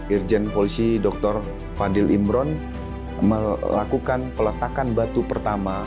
irjen polisi dr fadil imron melakukan peletakan batu pertama